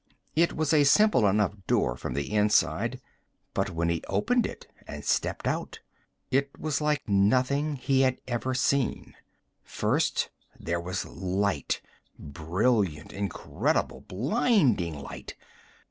It was a simple enough door from the inside. But when he opened it and stepped out, it was like nothing he had ever seen. First there was light brilliant, incredible, blinding light.